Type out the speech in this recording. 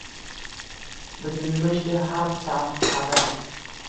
Bitilmishdi har safhada.